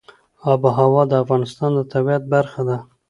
آب وهوا د افغانستان د طبیعت برخه ده.